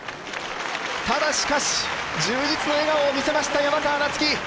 ただしかし充実の笑顔を見せました山川夏輝。